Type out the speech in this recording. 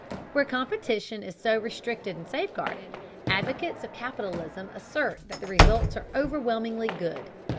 Where competition is so restricted and safeguarded, advocates of capitalism assert that the results are overwhelmingly good.